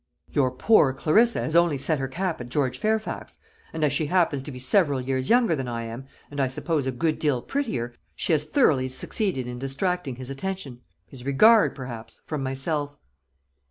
"Your poor Clarissa has only set her cap at George Fairfax; and as she happens to be several years younger than I am, and I suppose a good deal prettier, she has thoroughly succeeded in distracting his attention his regard, perhaps from myself."